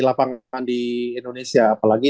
lapangan di indonesia apalagi